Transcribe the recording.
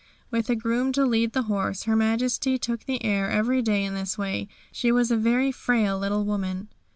With a groom to lead the horse Her Majesty took the air every day in this way. She was a very frail little woman.